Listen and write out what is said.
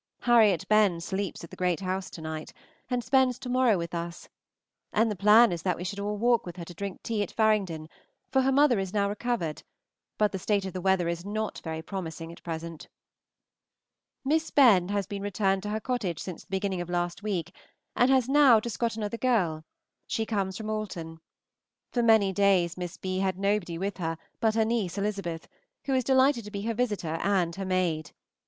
Harriet Benn sleeps at the Great House to night, and spends to morrow with us; and the plan is that we should all walk with her to drink tea at Faringdon, for her mother is now recovered; but the state of the weather is not very promising at present. Miss Benn has been returned to her cottage since the beginning of last week, and has now just got another girl; she comes from Alton. For many days Miss B. had nobody with her but her niece Elizabeth, who was delighted to be her visitor and her maid.